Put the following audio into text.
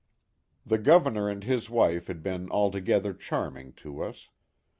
The Governor and his wife had been alto gether charming to us.